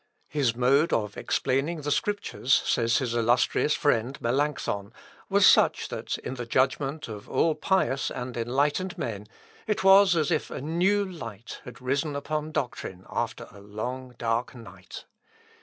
"His mode of explaining the Scriptures," says his illustrious friend, Melancthon, "was such, that in the judgment of all pious and enlightened men it was as if a new light had risen upon doctrine after a long dark night.